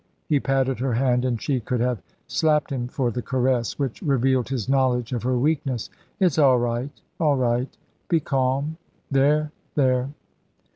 He patted her hand, and she could have slapped him for the caress, which revealed his knowledge of her weakness. "It's all right all right. Be calm! There, there!"